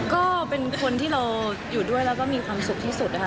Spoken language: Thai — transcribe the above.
ก็เป็นคนที่เราอยู่ด้วยแล้วก็มีความสุขที่สุดนะคะ